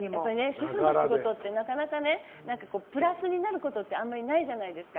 主婦の仕事って、なかなかプラスになることってあんまりないじゃないですか。